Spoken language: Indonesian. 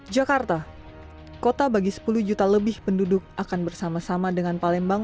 jakarta kota bagi sepuluh juta lebih penduduk akan bersama sama dengan palembang